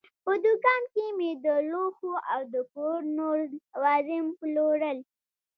په دوکان کې مې د لوښو او د کور نور لوازم پلورل.